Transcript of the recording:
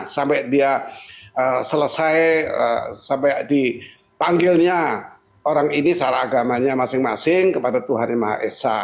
sampai dia selesai sampai dipanggilnya orang ini secara agamanya masing masing kepada tuhan yang maha esa